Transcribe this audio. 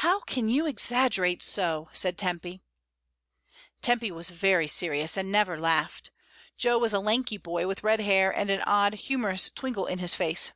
"How can you exaggerate so!" said Tempy. Tempy was very serious, and never laughed. Jo was a lanky boy, with red hair and an odd humorous twinkle in his face.